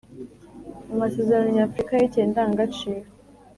Amasezerano Nyafurika yerekeye Indangagaciro